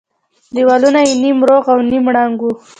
دېوالونه يې نيم روغ او نيم ړنگ وو.